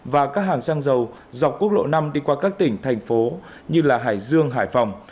và các hàng xăng dầu dọc quốc lộ năm đi qua các tỉnh thành phố như hải dương hải phòng